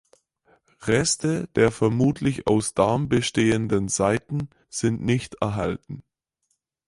Reste der vermutlich aus Darm bestehenden Saiten sind nicht erhalten.